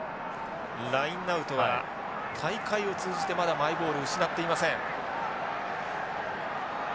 ラインアウトは大会を通じてまだマイボールを失っていません。